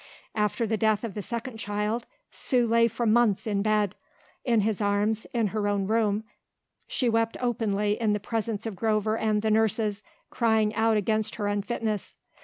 After the death of the second child Sue lay for months in bed. In his arms, in her own room, she wept openly in the presence of Grover and the nurses, crying out against her unfitness.